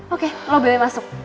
oke lo boleh masuk